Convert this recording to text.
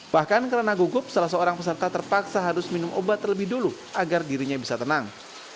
bahkan karena gugup salah seorang peserta terpaksa harus minum obat terlebih dulu agar dirinya bisa tenang